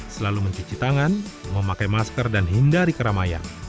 selalu mencuci tangan memakai masker dan hindari keramaian